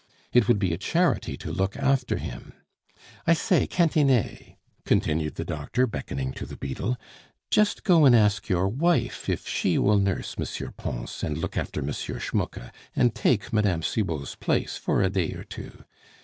It would be a charity to look after him. I say, Cantinet," continued the doctor, beckoning to the beadle, "just go and ask your wife if she will nurse M. Pons, and look after M. Schmucke, and take Mme. Cibot's place for a day or two....